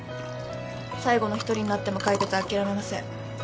最後の一人になっても解決諦めません